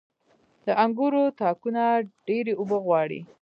• د انګورو تاکونه ډيرې اوبه غواړي.